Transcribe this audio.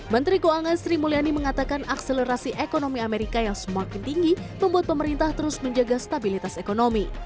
menteri keuangan sri mulyani mengatakan akselerasi ekonomi amerika yang semakin tinggi membuat pemerintah terus menjaga stabilitas ekonomi